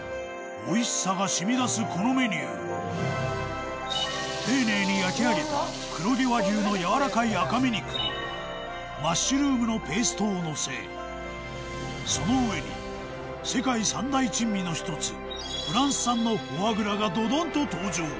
おいしさが染み出すこのメニュー丁寧に焼き上げた黒毛和牛のやわらかい赤身肉にマッシュルームのペーストをのせその上に世界三大珍味の１つフランス産のフォアグラがドドンと登場！